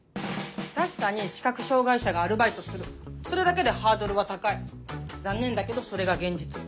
確かに視覚障がい者がアルバイトするそれだけでハードルは高い残念だけどそれが現実。